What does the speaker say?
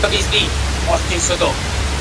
چي کړي ډک د مځکي مخ له مخلوقاتو ..